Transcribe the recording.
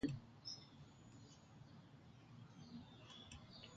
Several planes were also dispatched from the Norfolk Air Station.